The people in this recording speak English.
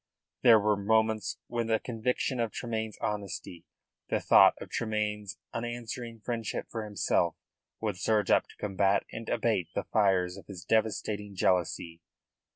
There were moments when the conviction of Tremayne's honesty, the thought of Tremayne's unswerving friendship for himself, would surge up to combat and abate the fires of his devastating jealousy.